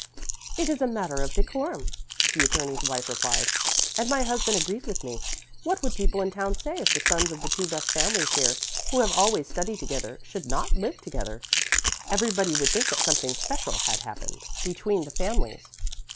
"It is a matter of decorum," the attorney's wife replied, "and my husband agrees with me. What would people in town say if the sons of the two best families here, who have always studied together, should not live together? Everybody would think that something special had happened between the families.